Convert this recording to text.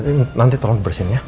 ya nanti tolong bersihin ya